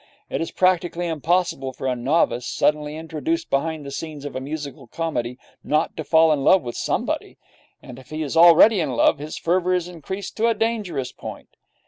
It is practically impossible for a novice, suddenly introduced behind the scenes of a musical comedy, not to fall in love with somebody; and, if he is already in love, his fervour is increased to a dangerous point.